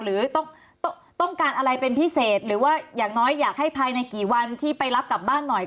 หรือต้องการอะไรเป็นพิเศษหรือว่าอย่างน้อยอยากให้ภายในกี่วันที่ไปรับกลับบ้านหน่อย